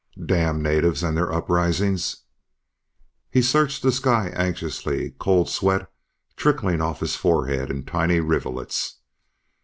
Damned natives and their uprisings! He searched the sky anxiously, cold sweat trickling off his forehead in tiny rivulets.